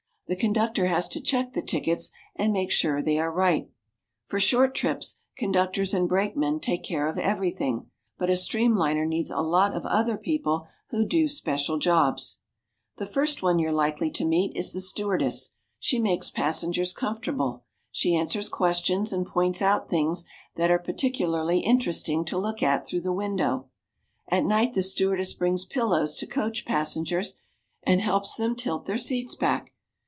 The conductor has to check the tickets and make sure they are right. For short trips, conductors and brakemen take care of everything. But a streamliner needs a lot of other people who do special jobs. The first one you're likely to meet is the stewardess. She makes passengers comfortable. She answers questions and points out things that are particularly interesting to look at through the window. At night the stewardess brings pillows to coach passengers and helps them tilt their seats back.